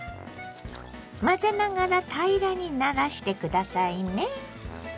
混ぜながら平らにならして下さいね。